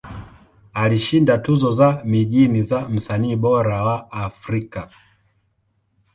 Alishinda tuzo za mijini za Msanii Bora wa Afrika.